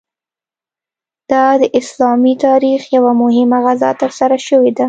دا د اسلامي تاریخ یوه مهمه غزا ترسره شوې ده.